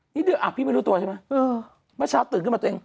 อ่ะพี่ไม่รู้ตัวใช่ไหมเออเมื่อเช้าตื่นขึ้นมาตัวเอง